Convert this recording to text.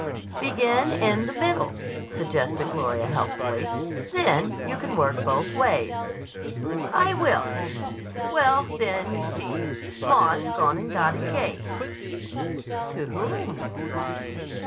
"Begin in the middle," suggested Gloria helpfully. "Then you can work both ways." "I will. Well, then, you see, Maud's gone and got engaged." "To whom?"